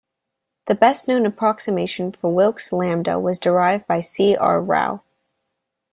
The best-known approximation for Wilks' lambda was derived by C. R. Rao.